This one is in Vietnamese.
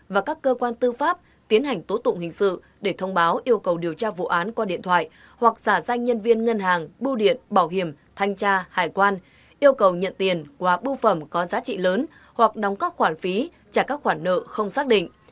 và các cơ quan tư pháp tiến hành tố tụng hình sự để thông báo yêu cầu điều tra vụ án qua điện thoại hoặc giả danh nhân viên ngân hàng bưu điện bảo hiểm thanh tra hải quan yêu cầu nhận tiền qua bưu phẩm có giá trị lớn hoặc đóng các khoản phí trả các khoản nợ không xác định